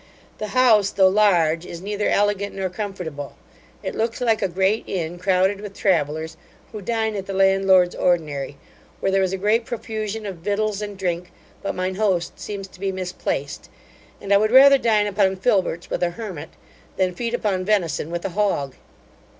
The house, though large, is neither elegant nor comfortable. It looks like a great inn, crowded with travellers, who dine at the landlord's ordinary, where there is a great profusion of victuals and drink, but mine host seems to be misplaced; and I would rather dine upon filberts with a hermit, than feed upon venison with a hog.